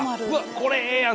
これええやん。